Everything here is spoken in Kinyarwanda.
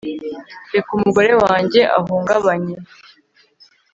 Reka umugore wanjye ahungabanye